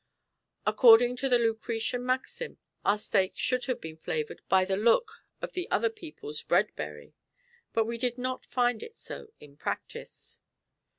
According to the Lucretian maxim, our steak should have been flavoured by the look of the other people's bread berry. But we did not find it so in practice.